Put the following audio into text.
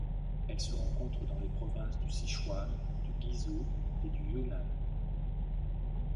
Elle se rencontre dans les provinces du Sichuan, du Guizhou et du Yunnan.